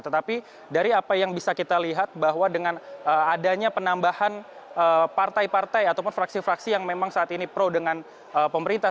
tetapi dari apa yang bisa kita lihat bahwa dengan adanya penambahan partai partai ataupun fraksi fraksi yang memang saat ini pro dengan pemerintah